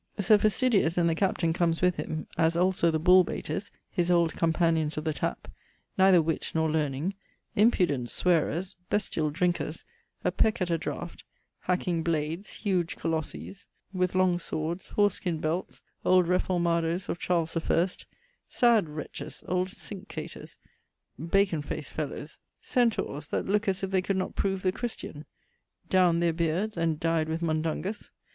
Sir Fastidious and the Captaine comes with him; as also the bull bayters, his old companions of the tappe; neither witt nor learning; impudent swearers; bestiall drinkers, a peck at a draught; hacking blades; huge colosses, with long swords, horse skin belts; old reformados of Charles the first; sad wretches; old cinque quaters; bacon fac't fellowes; centaures that looke as if they could not prove the Christian; downe their beardes ... and dyed with mundungus.